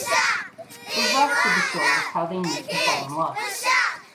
The rest of the story is how they meet and fall in love.